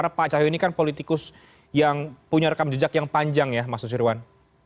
karena pak cahyokumolo ini kan politikus yang punya rekam jejak yang panjang ya mas susirwan